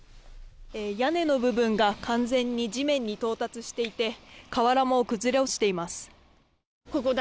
屋根の部分が完全に地面に到達していて、瓦も崩れ落ちています。